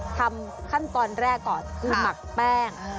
ทำขั้นตอนแรกก่อนคือหมักแป้ง